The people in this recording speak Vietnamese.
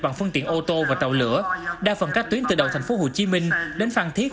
bằng phương tiện ô tô và tàu lửa đa phần các tuyến từ đầu tp hcm đến phan thiết